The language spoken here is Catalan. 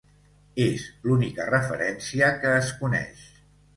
És l'única referència que es coneix.